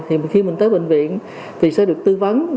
thì khi mình tới bệnh viện thì sẽ được tư vấn